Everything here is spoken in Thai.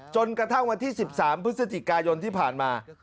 จนกระทั่งวันที่๑๓พฤศจิกายนที่ผ่านมา